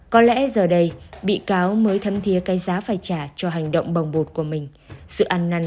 có lẽ giờ đây bị cáo mới thấm thiế cái giá phải trả cho hành động bồng bột của mình sự ăn năn